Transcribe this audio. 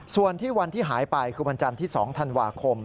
ส่วนที่วันที่หายไปคือวันจันทร์ที่๒ธันวาคม